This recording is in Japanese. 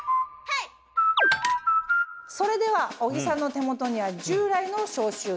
それでは小木さんの手元には従来の消臭剤。